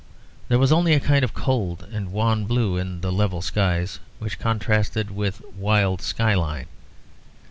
There was only a kind of cold and wan blue in the level skies which contrasted with wild sky line.